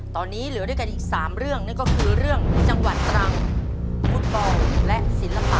ตอนนี้เหลือด้วยกันอีก๓เรื่องนั่นก็คือเรื่องจังหวัดตรังฟุตบอลและศิลปะ